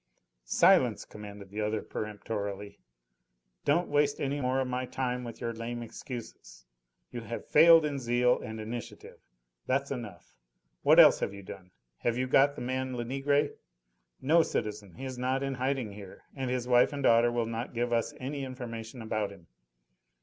"Silence!" commanded the other peremptorily. "Don't waste any more of my time with your lame excuses. You have failed in zeal and initiative. That's enough. What else have you done? Have you got the man Lenegre?" "No, citizen. He is not in hiding here, and his wife and daughter will not give us any information about him."